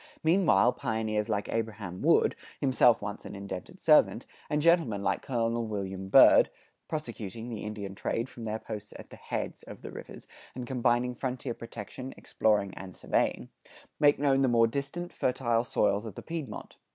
Meanwhile, pioneers like Abraham Wood, himself once an indented servant, and gentlemen like Col. William Byrd prosecuting the Indian trade from their posts at the "heads" of the rivers, and combining frontier protection, exploring, and surveying make known the more distant fertile soils of the Piedmont.